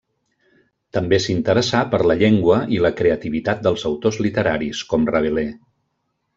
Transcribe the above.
També s'interessà per la llengua i la creativitat dels autors literaris, com Rabelais.